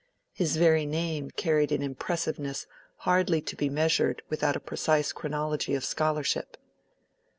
His very name carried an impressiveness hardly to be measured without a precise chronology of scholarship.